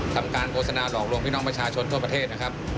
ทำการโฆษณาหลอกลวงพี่น้องประชาชนทั่วประเทศนะครับ